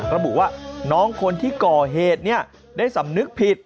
ระบุว่าน้องคนที่ก่อเหตุได้สำนึกผิด